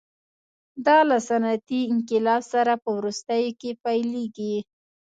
دا له صنعتي انقلاب سره په وروستیو کې پیلېږي.